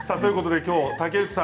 きょうは竹内さん